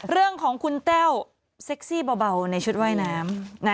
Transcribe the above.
เรื่องของคุณแต้วเซ็กซี่เบาในชุดว่ายน้ำ